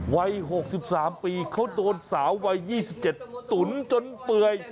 วัย๖๓ปีเขาโดนสาววัย๒๗ตุ๋นจนเปื่อย